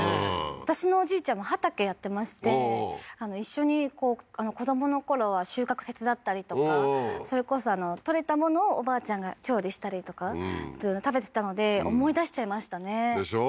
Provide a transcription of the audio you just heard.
私のおじいちゃんも畑やってまして一緒に子どものころは収穫手伝ったりとかそれこそ採れたものをおばあちゃんが調理したりとか食べてたので思い出しちゃいましたねでしょ？